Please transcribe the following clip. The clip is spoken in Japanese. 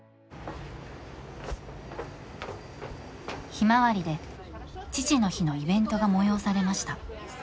ひまわりで父の日のイベントが催されました。